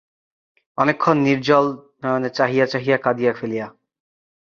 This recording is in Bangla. অনেকক্ষণ নির্জল নয়নে চাহিয়া চাহিয়া, কাঁদিয়া ফেলিয়া।